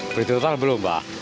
berarti total belum mbak